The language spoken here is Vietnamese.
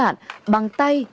bằng tay bằng tay